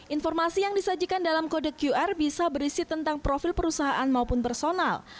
informasi yang disajikan dalam kode qr bisa berisi tentang profil perusahaan maupun personal